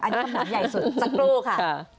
อันนี้คำถามใหญ่สุดสักครู่ค่ะ